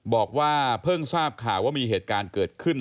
บอกว่าเพิ่งทราบข่าวว่ามีเหตุการณ์เกิดขึ้น